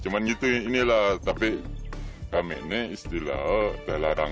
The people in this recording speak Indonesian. cuman gitu inilah tapi kami ini istilah belarang